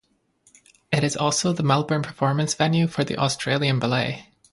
It is also the Melbourne performance venue for The Australian Ballet.